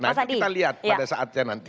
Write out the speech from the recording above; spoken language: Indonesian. nah itu kita lihat pada saatnya nanti